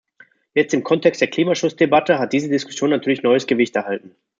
Jetzt im Kontext der Klimaschutzdebatte hat diese Diskussion natürlich neues Gewicht erhalten.